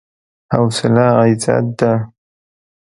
حوصله عزت ده.